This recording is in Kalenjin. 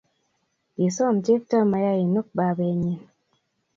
kisoom chepto mayainuk babenyin.